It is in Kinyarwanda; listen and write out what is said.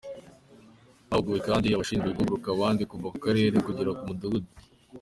Hahuguwe kandi abashinzwe guhugura abandi kuva ku karere kugera ku mudugudu.